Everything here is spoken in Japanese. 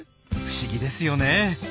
不思議ですよね。